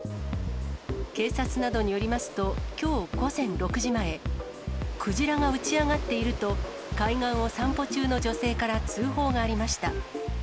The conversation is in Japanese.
警察などによりますと、きょう午前６時前、クジラが打ち上がっていると、海岸を散歩中の女性から通報がありました。